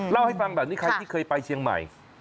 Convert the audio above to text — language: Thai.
เล่าให้ฟังแบบนี้ใครที่เคยไปเชียงใหม่